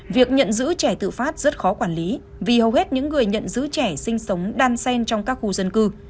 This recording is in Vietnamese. việc nhận giữ trẻ tự phát rất khó quản lý vì hầu hết những người nhận giữ trẻ sinh sống đan sen trong các khu dân cư